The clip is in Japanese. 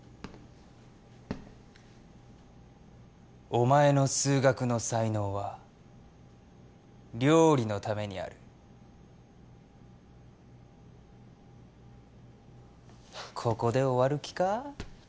お前の数学の才能は料理のためにあるここで終わる気か？